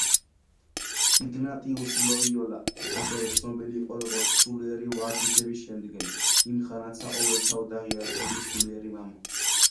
იგნატიუს ლოიოლა ასევე ცნობილი იყო როგორც სულიერი ვარჯიშების შემდგენი, იმხანად საყოველთაოდ აღიარებული სულიერი მამა.